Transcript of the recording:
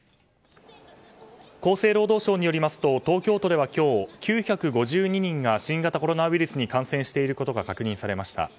厚生労働省によりますと東京都では今日、９５２人が新型コロナウイルスに感染していることが確認されました。